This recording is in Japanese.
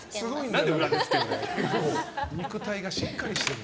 何で裏でつけるんだよ。